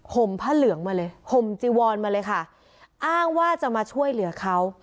ห่มผ้าเหลืองมาเลยห่มจีวอนมาเลยค่ะอ้างว่าจะมาช่วยเหลือเขา